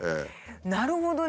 なるほどね。